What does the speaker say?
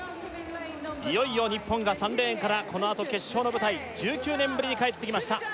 いよいよ日本が３レーンからこのあと決勝の舞台１９年ぶりにかえってきました